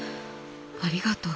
ありがとう」。